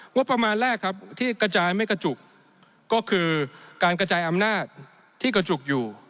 งบประมาณแรกครับที่กระจายไม่กระจุกก็คือการกระจายอำนาจที่กระจุกอยู่